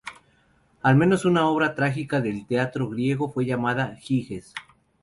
Al menos una obra trágica del teatro griego fue llamada "Giges".